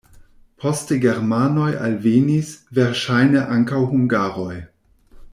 Poste germanoj alvenis, verŝajne ankaŭ hungaroj.